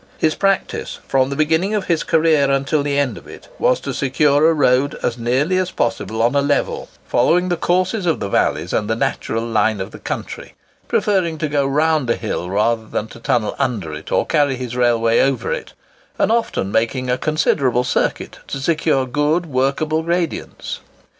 His practice, from the beginning of his career until the end of it, was to secure a road as nearly as possible on a level, following the course of the valleys and the natural line of the country: preferring to go round a hill rather than to tunnel under it or carry his railway over it, and often making a considerable circuit to secure good, workable gradients.